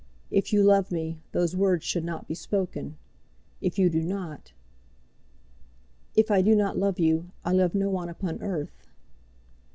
If you love me, those words should not be spoken. If you do not " "If I do not love you, I love no one upon earth."